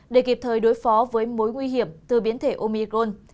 để kịp thời đối phó với mối nguy hiểm từ biến thể omicron